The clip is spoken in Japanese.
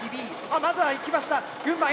まずはいきました群馬Ａ。